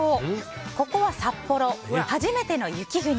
ここは札幌、初めての雪国。